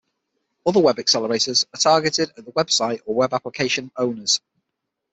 Other web accelerators are targeted at the web site or web application owners.